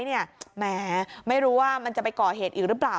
แหมไม่รู้ว่ามันจะไปก่อเหตุอีกหรือเปล่า